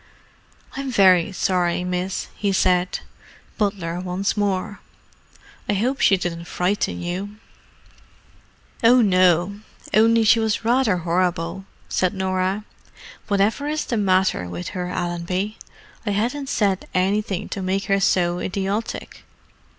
"I'm very sorry, miss," he said—butler once more. "I hope she didn't frighten you." "Oh, no—only she was rather horrible," said Norah. "Whatever is the matter with her, Allenby? I hadn't said anything to make her so idiotic."